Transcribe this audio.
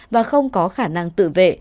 và không có khả năng tự vệ